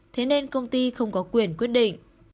thế nên công ty không có quyền quyết định